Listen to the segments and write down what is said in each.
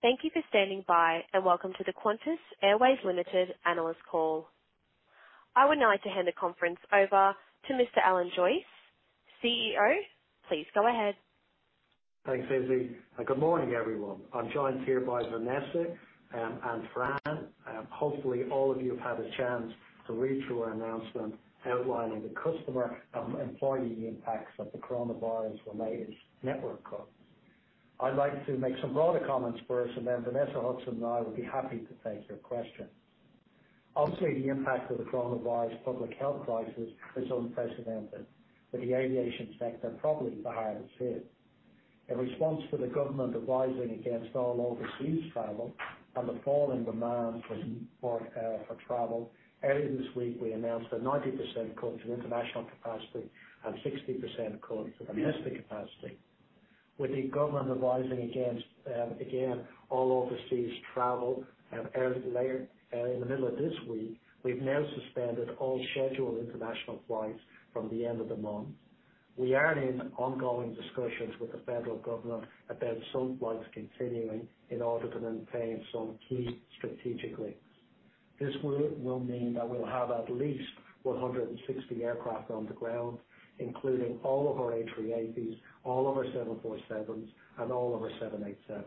Thank you for standing by and welcome to the Qantas Airways Limited analyst call. I would now like to hand the conference over to Mr. Alan Joyce, CEO. Please go ahead. Thanks, Izzy. Good morning, everyone. I'm joined here by Vanessa and Fran. Hopefully, all of you have had a chance to read through our announcement outlining the customer and employee impacts of the coronavirus-related network cuts. I'd like to make some broader comments first, and then Vanessa Hudson and I will be happy to take your questions. Obviously, the impact of the coronavirus public health crisis is unprecedented, with the aviation sector probably the hardest hit. In response to the government advising against all overseas travel and the fall in demand for travel, earlier this week we announced a 90% cut to international capacity and 60% cut to domestic capacity. With the government advising against, again, all overseas travel in the middle of this week, we've now suspended all scheduled international flights from the end of the month. We are in ongoing discussions with the federal government about some flights continuing in order to maintain some key strategic links. This will mean that we'll have at least 160 aircraft on the ground, including all of our A380s, all of our 747s, and all of our 787s.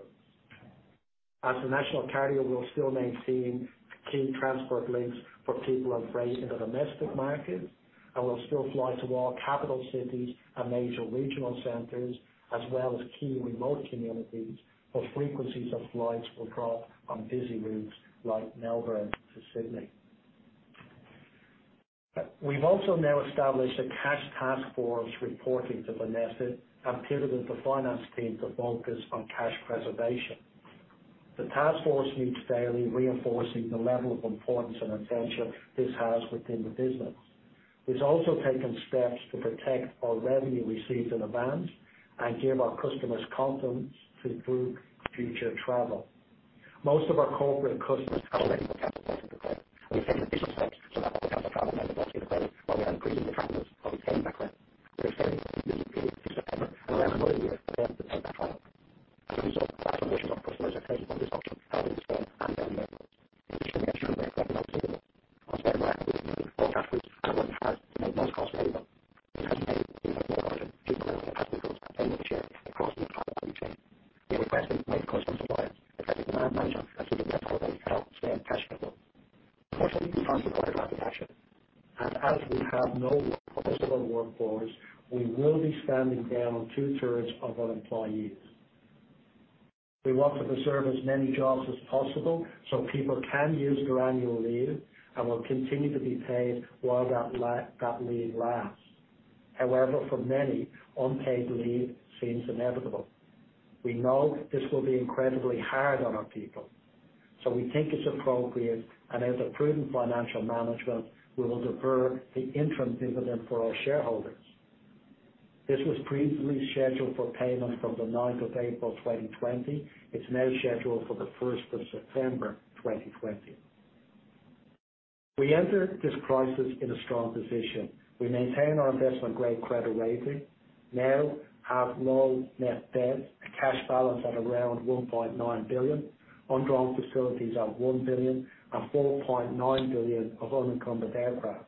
As a national carrier, we'll still maintain key transport links for people and freight in the domestic markets, and we'll still fly to all capital cities and major regional centers, as well as key remote communities, but frequencies of flights will drop on busy routes like Melbourne to Sydney. We've also now established a cash task force reporting to Vanessa We want to preserve as many jobs as possible so people can use their annual leave and will continue to be paid while that leave lasts. However, for many, unpaid leave seems inevitable. We know this will be incredibly hard on our people, so we think it's appropriate, and as a prudent financial management, we will defer the interim dividend for our shareholders. This was previously scheduled for payment from the 9th of April 2020. It's now scheduled for the 1st of September 2020. We entered this crisis in a strong position. We maintain our investment-grade credit rating, now have no net debt, a cash balance at around 1.9 billion, undrawn facilities at 1 billion, and 4.9 billion of unencumbered aircraft.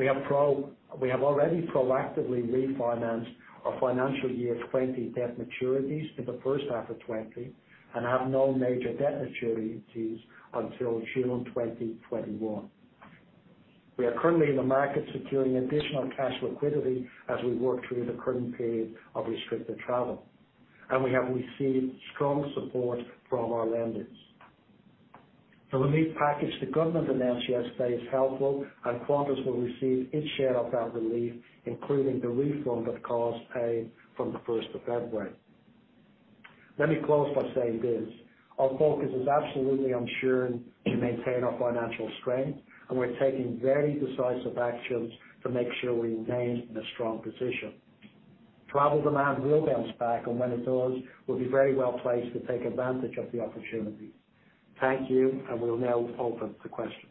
We have already proactively refinanced our financial year 2020 debt maturities in the first half of 2020 and have no major debt maturities until June 2021. We are currently in the market securing additional cash liquidity as we work through the current period of restricted travel, and we have received strong support from our lenders. The relief package the government announced yesterday is helpful, and Qantas will receive its share of that relief, including the refund of costs paid from the 1st of February. Let me close by saying this: our focus is absolutely on ensuring we maintain our financial strength, and we're taking very decisive actions to make sure we remain in a strong position. Travel demand will bounce back, and when it does, we'll be very well placed to take advantage of the opportunity. Thank you, and we'll now open to questions.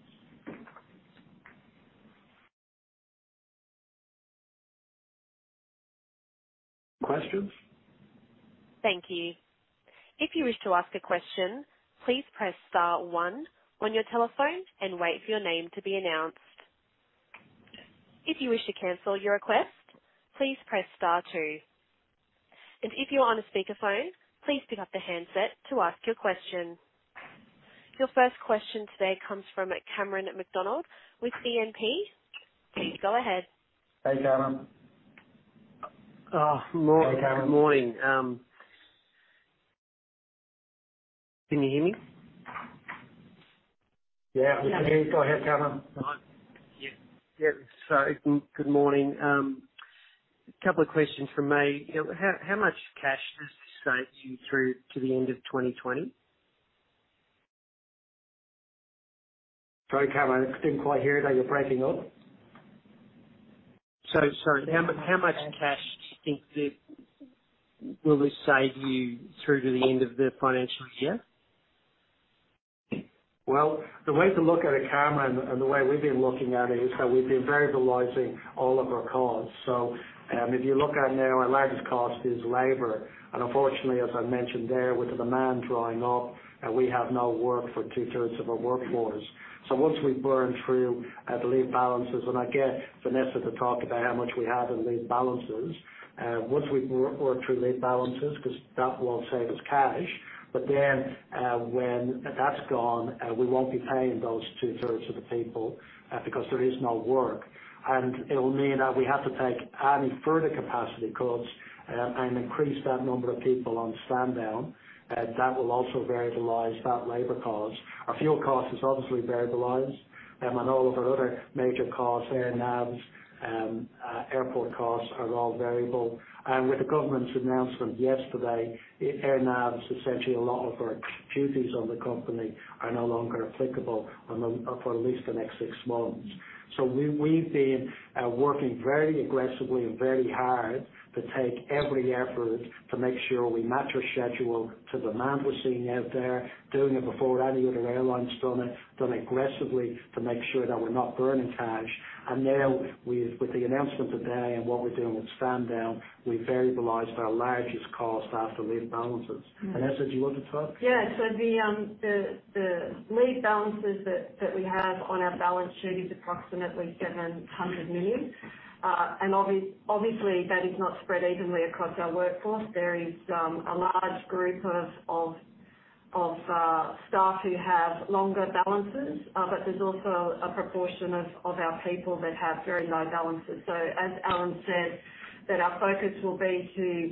Questions? Thank you. If you wish to ask a question, please press star one on your telephone and wait for your name to be announced. If you wish to cancel your request, please press star two. And if you're on a speakerphone, please pick up the handset to ask your question. Your first question today comes from Cameron McDonald with E&P. Please go ahead. Hey, Cameron. Morning, Cameron. Morning. Can you hear me? Yeah, we can hear you. Go ahead, Cameron. Yeah. So good morning. A couple of questions from me. How much cash does this save you through to the end of 2020? Sorry, Cameron. I didn't quite hear you. You're breaking up. Sorry. How much cash do you think will this save you through to the end of the financial year? Well, the way to look at it, Cameron, and the way we've been looking at it is that we've been very deliberate all of our costs. So if you look at now, our largest cost is labor. And unfortunately, as I mentioned there, with the demand drying up, we have no work for 2/3 of our workforce. So once we burn through the leave balances, and I get Vanessa to talk about how much we have in leave balances, once we burn through leave balances, because that will save us cash, but then when that's gone, we won't be paying those 2/3 of the people because there is no work. And it will mean that we have to take any further capacity cuts and increase that number of people on stand down. That will also very relieve that labor costs. Our fuel costs are obviously very relieved, and all of our other major costs, air navs, airport costs are all variable, and with the government's announcement yesterday, air navs, essentially a lot of our duties on the company are no longer applicable for at least the next six months. So we've been working very aggressively and very hard to take every effort to make sure we match our schedule to the demand we're seeing out there, doing it before any other airlines done it, done aggressively to make sure that we're not burning cash, and now, with the announcement today and what we're doing with stand down, we've very relieved our largest cost after leave balances. Vanessa, do you want to talk? Yeah. So the leave balances that we have on our balance sheet is approximately 700 million. And obviously, that is not spread evenly across our workforce. There is a large group of staff who have longer balances, but there's also a proportion of our people that have very low balances. So as Alan said, our focus will be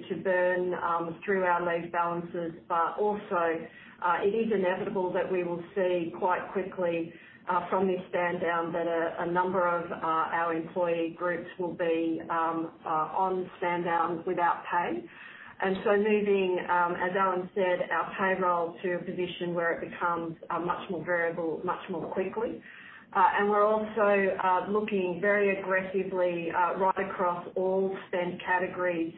to burn through our leave balances, but also it is inevitable that we will see quite quickly from this stand down that a number of our employee groups will be on stand down without pay. And so moving, as Alan said, our payroll to a position where it becomes much more variable, much more quickly. And we're also looking very aggressively right across all spend categories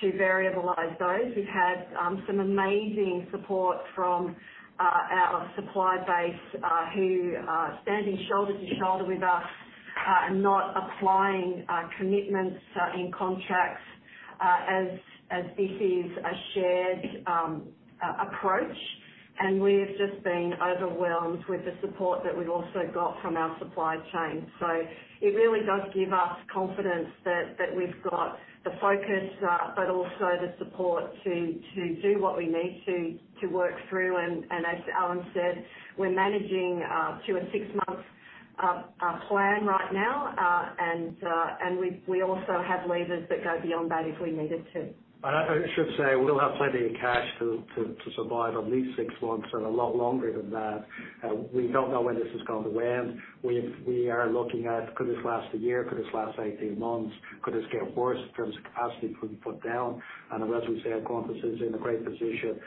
to variabilize those. We've had some amazing support from our supply base who are standing shoulder to shoulder with us and not applying commitments in contracts as this is a shared approach, and we've just been overwhelmed with the support that we've also got from our supply chain, so it really does give us confidence that we've got the focus, but also the support to do what we need to work through, and as Alan said, we're managing to a six-month plan right now, and we also have levers that go beyond that if we needed to. I should say we'll have plenty of cash to survive at least six months and a lot longer than that. We don't know when this is going to end. We are looking at could this last a year? Could this last 18 months? Could this get worse in terms of capacity being put down? And as we say, Qantas is in a great position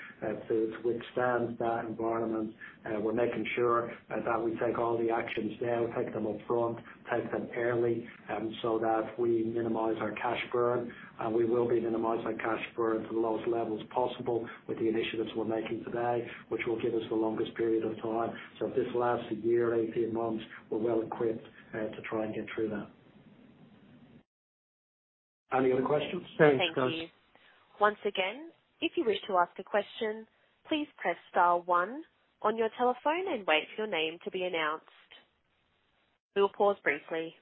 to withstand that environment. We're making sure that we take all the actions now, take them upfront, take them early so that we minimize our cash burn. And we will be minimizing our cash burn to the lowest levels possible with the initiatives we're making today, which will give us the longest period of time. So if this lasts a year, 18 months, we're well equipped to try and get through that. Any other questions? No, thank you. Thank you. Once again, if you wish to ask a question, please press star one on your telephone and wait for your name to be announced. We will pause briefly.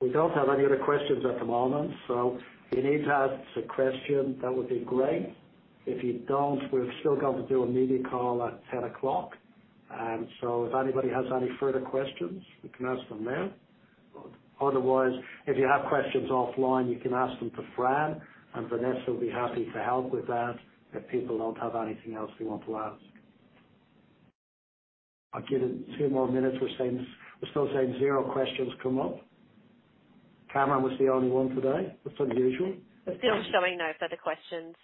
We don't have any other questions at the moment, so if you need to ask a question, that would be great. If you don't, we're still going to do a media call at 10:00 o'clock. So if anybody has any further questions, you can ask them now. Otherwise, if you have questions offline, you can ask them to Fran, and Vanessa will be happy to help with that if people don't have anything else they want to ask. I'll give it two more minutes. We're still seeing zero questions come up. Cameron was the only one today. That's unusual. There's still showing no further questions.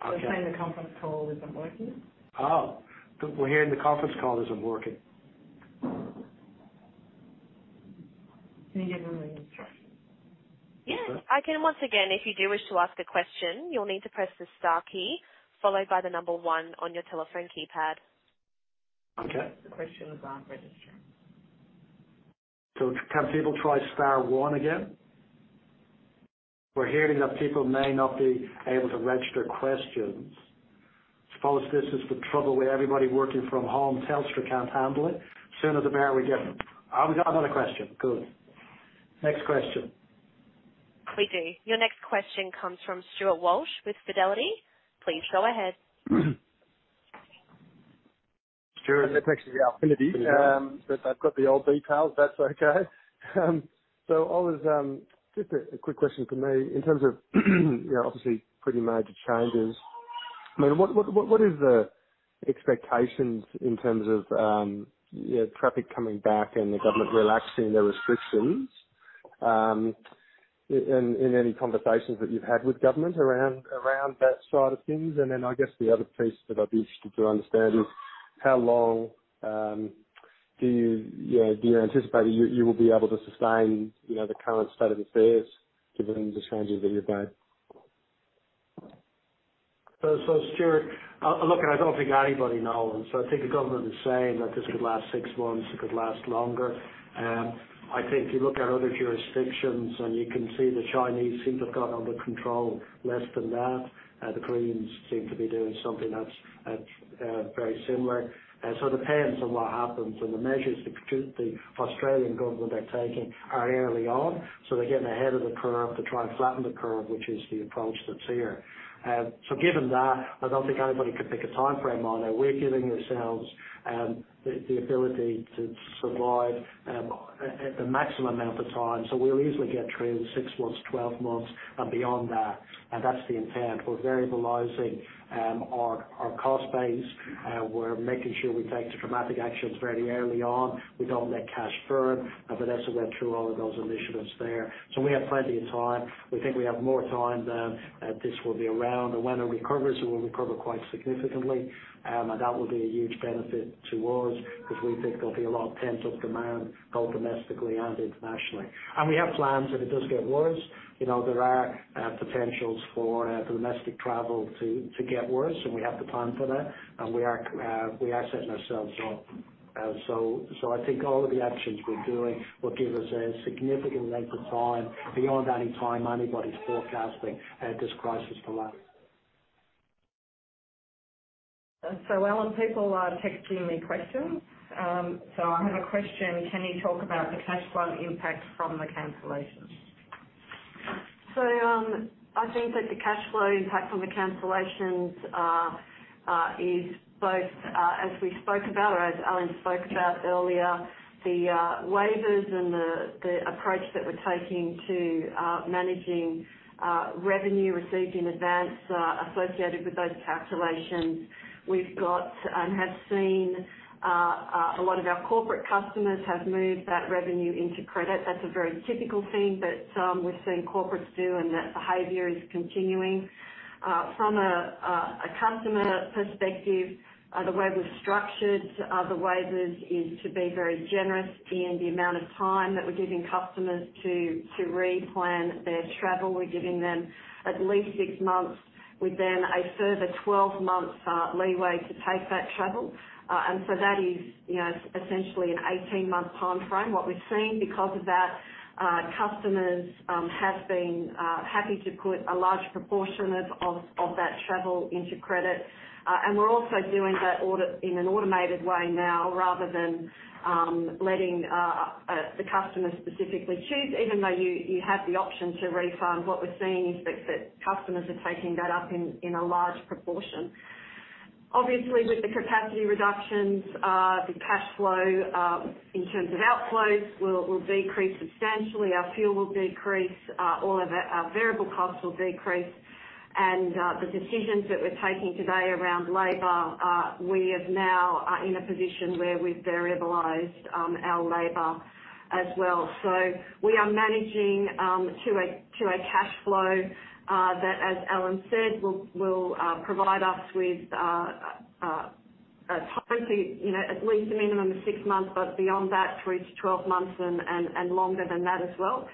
I was saying the conference call isn't working. Oh, we're hearing the conference call isn't working. Can you give them the instructions? Again. Once again, if you do wish to ask a question, you'll need to press the star key followed by the number one on your telephone keypad. Okay. The questions aren't registering. So, can people try star one again? We're hearing that people may not be able to register questions. Suppose this is the trouble where everybody working from home tells us we can't handle it. Sooner the better we get them. I've got another question. Good. Next question. We do. Your next question comes from Stuart Walsh with Fidelity. Please go ahead. I've got the old details. That's okay. So just a quick question for me. In terms of obviously pretty major changes, I mean, what are the expectations in terms of traffic coming back and the government relaxing their restrictions in any conversations that you've had with government around that side of things? And then I guess the other piece that I'd be interested to understand is how long do you anticipate you will be able to sustain the current state of affairs given the changes that you've made? So Stuart, look, I don't think anybody knows. I think the government is saying that this could last six months. It could last longer. I think you look at other jurisdictions and you can see the Chinese seem to have got under control less than that. The Koreans seem to be doing something that's very similar. So it depends on what happens. And the measures the Australian government are taking are early on, so they're getting ahead of the curve to try and flatten the curve, which is the approach that's here. So given that, I don't think anybody could pick a time frame on it. We're giving ourselves the ability to survive the maximum amount of time. So we'll easily get through six months, 12 months, and beyond that. And that's the intent. We're variabilizing our cost base. We're making sure we take the dramatic actions very early on. We don't let cash burn. Vanessa went through all of those initiatives there, so we have plenty of time. We think we have more time than this will be around, and when it recovers, it will recover quite significantly, and that will be a huge benefit to us because we think there'll be a lot of pent-up demand, both domestically and internationally, and we have plans if it does get worse. There are potentials for domestic travel to get worse, and we have the time for that, and we are setting ourselves up, so I think all of the actions we're doing will give us a significant length of time beyond any time anybody's forecasting this crisis to last. So Alan people are texting me questions. So I have a question. Can you talk about the cash flow impact from the cancellations? I think that the cash flow impact from the cancellations is both, as we spoke about or as Alan spoke about earlier, the waivers and the approach that we're taking to managing revenue received in advance associated with those cancellations. We've got and have seen a lot of our corporate customers have moved that revenue into credit. That's a very typical thing that we've seen corporates do, and that behavior is continuing. From a customer perspective, the way we've structured the waivers is to be very generous in the amount of time that we're giving customers to replan their travel. We're giving them at least six months with then a further 12-month leeway to take that travel. And so that is essentially an 18-month time frame. What we've seen because of that, customers have been happy to put a large proportion of that travel into credit. And we're also doing that in an automated way now rather than letting the customer specifically choose, even though you have the option to refund. What we're seeing is that customers are taking that up in a large proportion. Obviously, with the capacity reductions, the cash flow in terms of outflows will decrease substantially. Our fuel will decrease. All of our variable costs will decrease, and the decisions that we're taking today around labor, we are now in a position where we've variabilized our labor as well, so we are managing to a cash flow that, as Alan said, will provide us with time to at least a minimum of six months, but beyond that, three to 12 months and longer than that as well.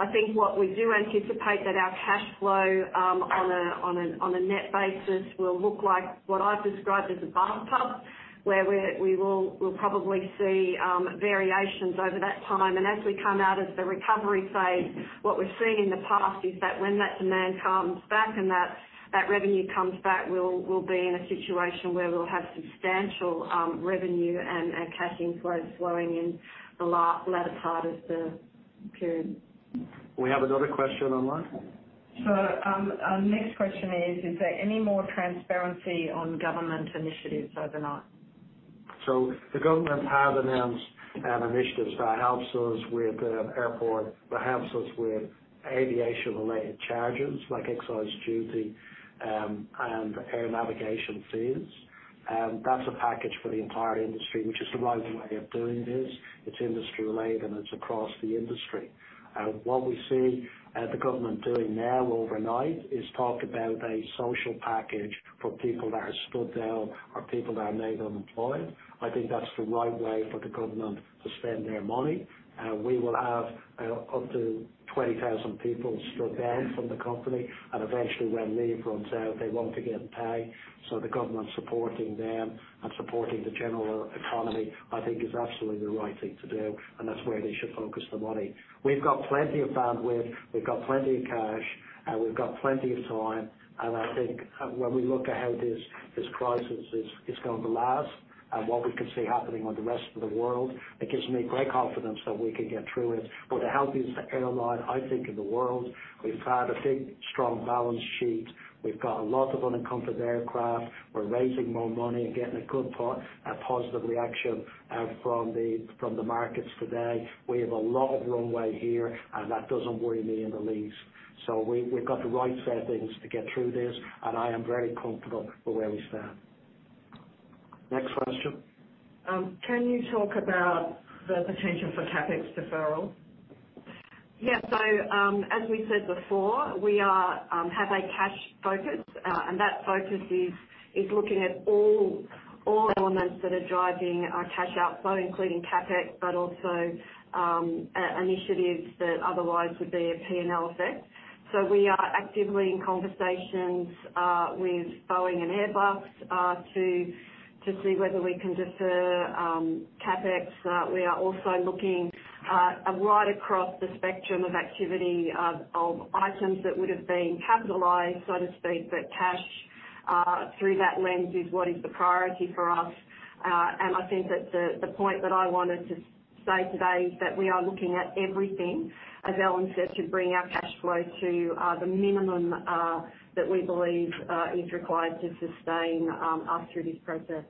I think what we do anticipate that our cash flow on a net basis will look like what I've described as a bathtub, where we will probably see variations over that time, and as we come out of the recovery phase, what we've seen in the past is that when that demand comes back and that revenue comes back, we'll be in a situation where we'll have substantial revenue and cash inflows flowing in the latter part of the period. We have another question online. Our next question is, is there any more transparency on government initiatives overnight? So the government has announced initiatives that help us with airport that helps us with aviation-related charges like excise duty and air navigation fees, and that's a package for the entire industry, which is the right way of doing this. It's industry-related and it's across the industry, and what we see the government doing now, overnight, is talk about a social package for people that are stood down or people that are made unemployed. I think that's the right way for the government to spend their money. We will have up to 20,000 people stood down from the company, and eventually, when leave runs out, they won't be getting paid, so the government supporting them and supporting the general economy, I think, is absolutely the right thing to do, and that's where they should focus the money. We've got plenty of bandwidth. We've got plenty of cash. And we've got plenty of time. And I think when we look at how this crisis is going to last and what we can see happening on the rest of the world, it gives me great confidence that we can get through it. But the healthiest airline, I think, in the world. We've had a big, strong balance sheet. We've got a lot of unencumbered aircraft. We're raising more money and getting a good positive reaction from the markets today. We have a lot of runway here, and that doesn't worry me in the least. So we've got the right settings to get through this, and I am very comfortable with where we stand. Next question. Can you talk about the potential for CapEx deferral? Yeah, so as we said before, we have a cash focus, and that focus is looking at all elements that are driving our cash outflow, including CapEx, but also initiatives that otherwise would be a P&L effect, so we are actively in conversations with Boeing and Airbus to see whether we can defer CapEx. We are also looking right across the spectrum of activity of items that would have been capitalized, so to speak, but cash through that lens is what is the priority for us, and I think that the point that I wanted to say today is that we are looking at everything, as Alan said, to bring our cash flow to the minimum that we believe is required to sustain us through this process.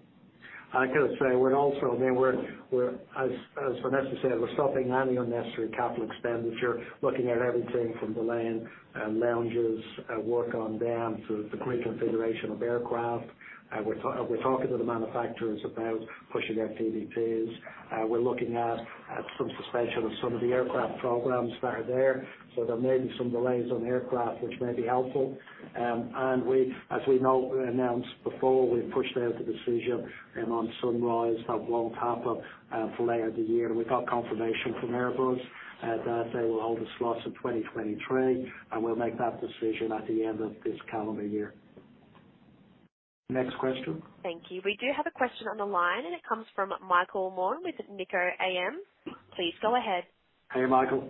I can say we're also, I mean, as Vanessa said, we're stopping only on necessary capital expenditure. Looking at everything from delaying lounges work on down to the reconfiguration of aircraft. We're talking to the manufacturers about pushing their PDPs. We're looking at some suspension of some of the aircraft programs that are there, so there may be some delays on aircraft, which may be helpful, and as we announced before, we've pushed out the decision on Sunrise that won't happen for later in the year, and we've got confirmation from Airbus that they will hold the slots in 2023, and we'll make that decision at the end of this calendar year. Next question. Thank you. We do have a question on the line, and it comes from Michael Moran with Nikko AM. Please go ahead. Hey, Michael.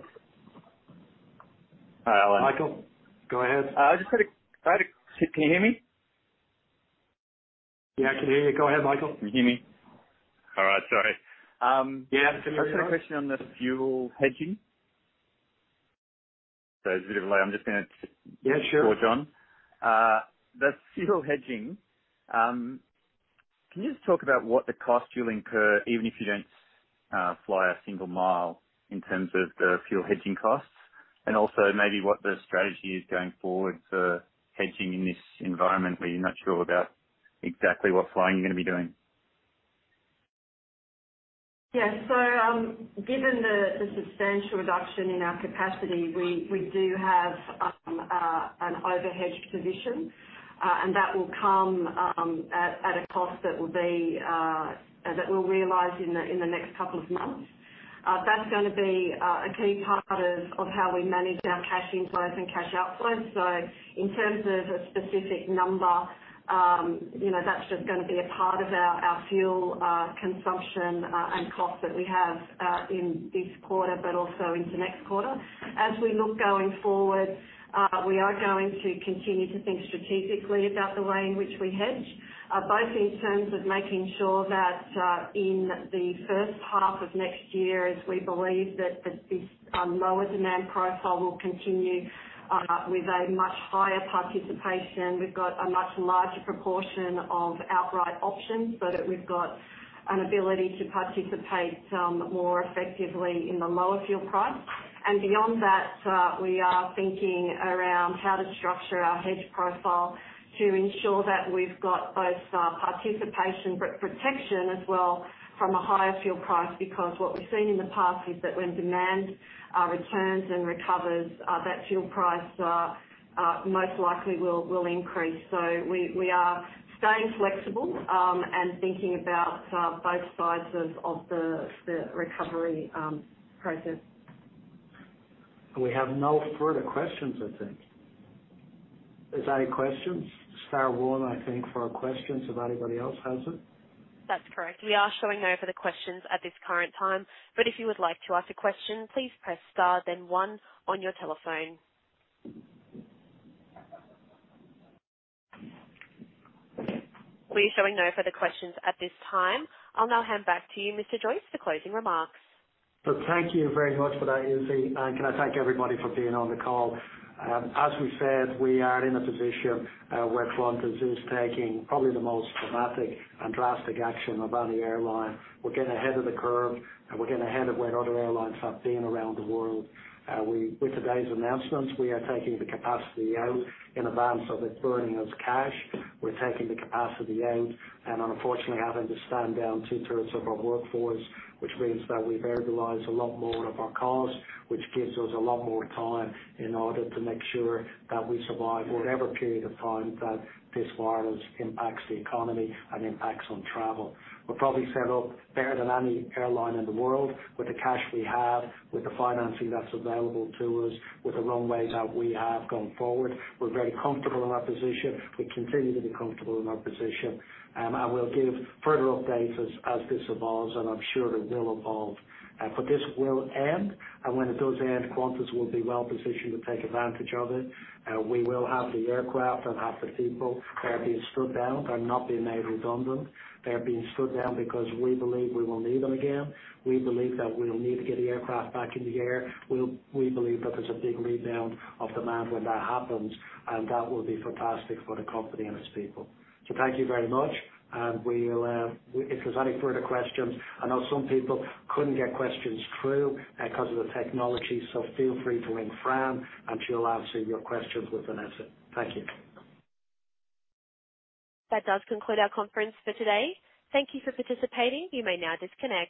Hi, Alan. Michael, go ahead. Can you hear me? Yeah, I can hear you. Go ahead, Michael. You can hear me? All right, sorry. Yeah, I just had a question on the fuel hedging. Sorry, there's a bit of a delay. I'm just going to switch on. The fuel hedging, can you just talk about what the cost you'll incur, even if you don't fly a single mile, in terms of the fuel hedging costs? And also maybe what the strategy is going forward for hedging in this environment where you're not sure about exactly what flying you're going to be doing? Yeah. So given the substantial reduction in our capacity, we do have an overhedged position. And that will come at a cost that we'll realize in the next couple of months. That's going to be a key part of how we manage our cash inflows and cash outflows. So in terms of a specific number, that's just going to be a part of our fuel consumption and cost that we have in this quarter, but also into next quarter. As we look going forward, we are going to continue to think strategically about the way in which we hedge, both in terms of making sure that in the first half of next year, as we believe that this lower demand profile will continue with a much higher participation. We've got a much larger proportion of outright options, so that we've got an ability to participate more effectively in the lower fuel price, and beyond that, we are thinking around how to structure our hedge profile to ensure that we've got both participation but protection as well from a higher fuel price, because what we've seen in the past is that when demand returns and recovers, that fuel price most likely will increase, so we are staying flexible and thinking about both sides of the recovery process. We have no further questions, I think. Is there any questions? Star one, I think, for questions if anybody else has them. That's correct. We are showing no further questions at this current time. But if you would like to ask a question, please press star, then one on your telephone. We are showing no further questions at this time. I'll now hand back to you, Mr. Joyce, for closing remarks. So thank you very much for that, Izzy. And can I thank everybody for being on the call? As we said, we are in a position where Qantas is taking probably the most dramatic and drastic action of any airline. We're getting ahead of the curve, and we're getting ahead of where other airlines have been around the world. With today's announcements, we are taking the capacity out in advance of it burning us cash. We're taking the capacity out. And unfortunately, having to stand down 2/3 of our workforce, which means that we've variabilized a lot more of our costs, which gives us a lot more time in order to make sure that we survive whatever period of time that this virus impacts the economy and impacts on travel. We're probably set up better than any airline in the world with the cash we have, with the financing that's available to us, with the runways that we have going forward. We're very comfortable in our position. We continue to be comfortable in our position, and we'll give further updates as this evolves, and I'm sure it will evolve, but this will end, and when it does end, Qantas will be well positioned to take advantage of it. We will have the aircraft and have the people. They're being stood down. They're not being made redundant. They're being stood down because we believe we will need them again. We believe that we'll need to get the aircraft back in the air. We believe that there's a big rebound of demand when that happens, and that will be fantastic for the company and its people, so thank you very much. And if there's any further questions, I know some people couldn't get questions through because of the technology, so feel free to ring Fran, and she'll answer your questions with Vanessa. Thank you. That does conclude our conference for today. Thank you for participating. You may now disconnect.